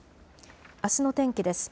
あすの天気です。